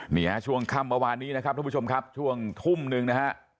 นี่ฮะช่วงค่ำเมื่อวานนี้นะครับทุกผู้ชมครับช่วงทุ่มหนึ่งนะฮะ